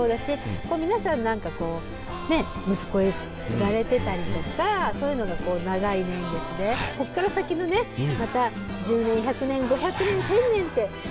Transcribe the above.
こう皆さん何かこうねえ息子へ継がれてたりとかそういうのが長い年月でこっから先のねまた１０年１００年５００年１，０００年ってねえ。